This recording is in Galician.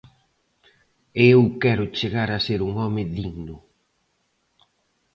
E eu quero chegar a ser un home digno.